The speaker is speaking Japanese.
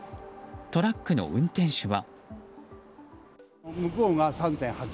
トラックの運転手は。